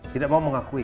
tidak mau mengakui